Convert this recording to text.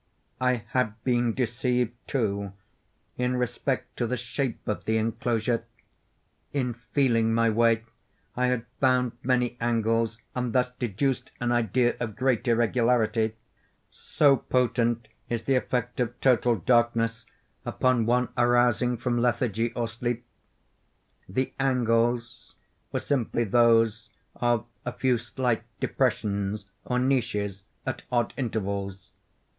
I had been deceived, too, in respect to the shape of the enclosure. In feeling my way I had found many angles, and thus deduced an idea of great irregularity; so potent is the effect of total darkness upon one arousing from lethargy or sleep! The angles were simply those of a few slight depressions, or niches, at odd intervals.